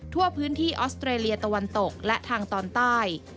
ทั่วพื้นที่ออสเตรเลียตะวันตกและทางตอนใต้